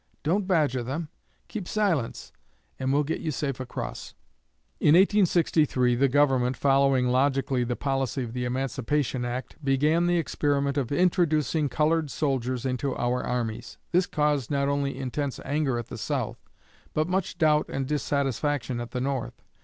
Don't badger them. Keep silence, and we'll get you safe across." In 1863 the Government, following logically the policy of the Emancipation act, began the experiment of introducing colored soldiers into our armies. This caused not only intense anger at the South, but much doubt and dissatisfaction at the North.